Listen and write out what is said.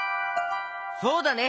そうだね！